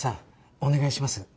お願いします